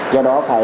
do đó phải